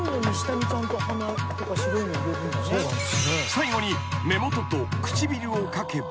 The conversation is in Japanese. ［最後に］